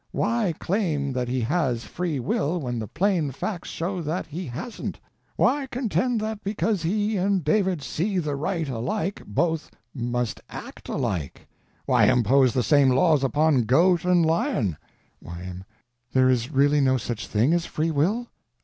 Why claim that he has Free Will when the plain facts show that he hasn't? Why contend that because he and David _see _the right alike, both must _act _alike? Why impose the same laws upon goat and lion? Y.M. There is really no such thing as Free Will?